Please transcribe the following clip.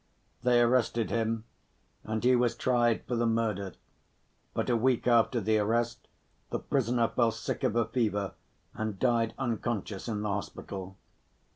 They arrested him, and he was tried for the murder; but a week after the arrest, the prisoner fell sick of a fever and died unconscious in the hospital.